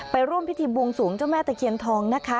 ร่วมพิธีบวงสวงเจ้าแม่ตะเคียนทองนะคะ